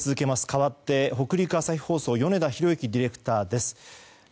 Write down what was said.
かわって北陸朝日放送米田宏行ディレクターです。